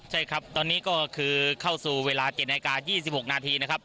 ใช่ครับตอนนี้ก็คือเข้าสู่เวลา๗นาฬิกา๒๖นาทีนะครับ